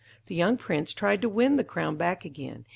The young prince tried to win the crown back again.